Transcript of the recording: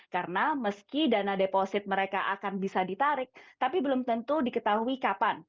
karena meski dana deposit mereka akan bisa ditarik tapi belum tentu diketahui kapan